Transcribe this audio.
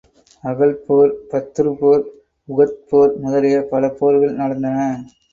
அகழ்ப் போர், பத்ருப் போர், உஹத் போர் முதலிய பல போர்கள் நடந்தன.